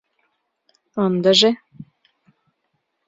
Ындыже...